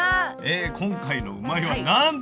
今回の「うまいッ！」はなんと。